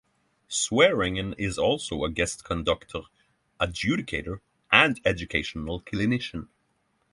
Swearingen is also a guest conductor, adjudicator and educational clinician.